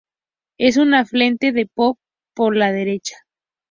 Es un afluente del Po por la derecha.